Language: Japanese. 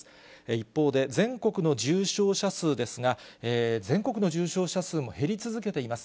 一方で全国の重症者数ですが、全国の重症者数も減り続けています。